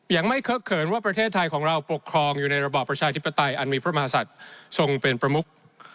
ยังไม่เคิกเขินว่าประเทศไทยของเราปกครองอยู่ในระบอบประชาธิปไตยอันมีพระมหาศัตริย์ทรงเป็นประมุก